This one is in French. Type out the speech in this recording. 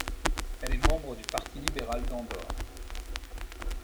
Elle est membre du Parti libéral d'Andorre.